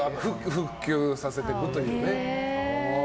普及させていくという。